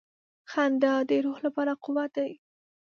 • خندا د روح لپاره قوت دی.